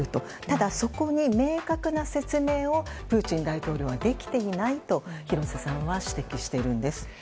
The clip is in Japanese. ただ、そこに明確な説明をプーチン大統領はできていないと廣瀬さんは指摘しているんです。